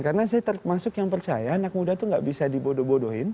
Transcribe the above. karena saya termasuk yang percaya anak muda itu nggak bisa dibodoh bodohin